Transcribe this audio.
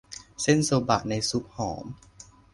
เส้นโซบะในซุปหอม